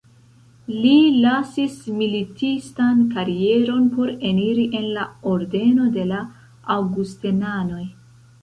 Li lasis militistan karieron por eniri en la ordeno de la Aŭgustenanoj.